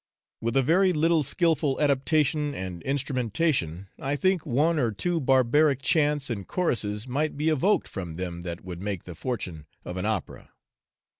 With a very little skilful adaptation and instrumentation, I think one or two barbaric chants and choruses might be evoked from them that would make the fortune of an opera.